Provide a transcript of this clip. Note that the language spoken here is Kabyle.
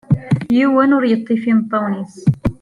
Yiwen ur yeṭṭif imeṭṭawen-is